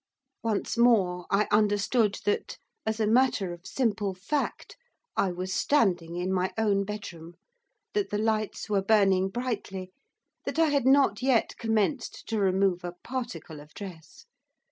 Once more I understood that, as a matter of simple fact, I was standing in my own bedroom; that the lights were burning brightly; that I had not yet commenced to remove a particle of dress.